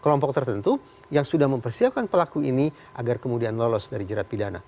kelompok tertentu yang sudah mempersiapkan pelaku ini agar kemudian lolos dari jerat pidana